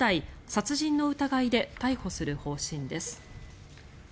殺人の疑いで逮捕する方針です。